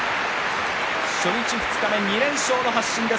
初日、二日目、２連勝の発進です。